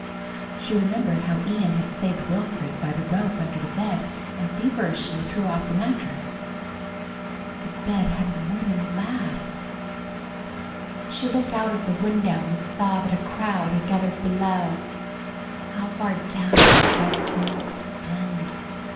She remembered how Ian had saved Wilfred by the rope under the bed and feverishly threw off the mattrass. The bed had wooden laths! She looked out of the window and saw that a crowd had gathered below. How far down would the bedclothes extend?